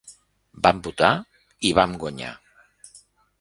Vam votar, i vam guanyar!